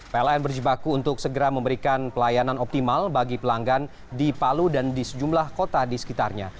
pln berjibaku untuk segera memberikan pelayanan optimal bagi pelanggan di palu dan di sejumlah kota di sekitarnya